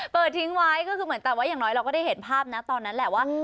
ทิ้งไว้ก็คือเหมือนแต่ว่าอย่างน้อยเราก็ได้เห็นภาพนะตอนนั้นแหละว่า